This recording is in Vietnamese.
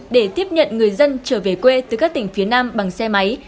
để tiếp nhận người dân trở về quê từ các tỉnh phía nam bằng xe máy